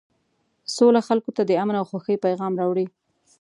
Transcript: سوله خلکو ته د امن او خوښۍ پیغام راوړي.